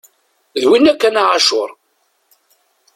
D winna kan a Ɛacur!